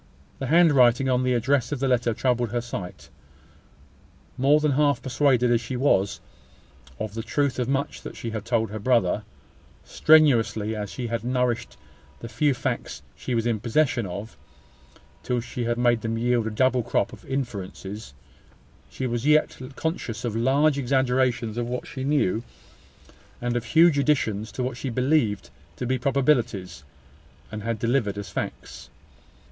The handwriting on the address of the letter troubled her sight. More than half persuaded, as she was, of the truth of much that she had told her brother, strenuously as she had nourished the few facts she was in possession of, till she had made them yield a double crop of inferences, she was yet conscious of large exaggerations of what she knew, and of huge additions to what she believed to be probabilities, and had delivered as facts.